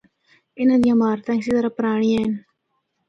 اِنّاں دیاں عمارتاں اسی طرح پرانڑیاں ہن۔